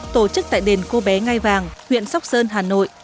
tổ chức tại đền cô bé ngai vàng huyện sóc sơn hà nội